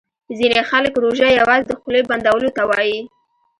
ځیني خلګ روژه یوازي د خولې بندولو ته وايي